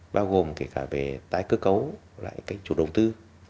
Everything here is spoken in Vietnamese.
bao gồm kể cả về tái cơ cấu lại cái chủ đầu tư